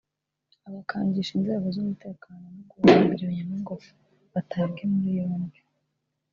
abakangisha inzego z’umutekano no kubahimbira ibinyoma ngo batabwe muri yombi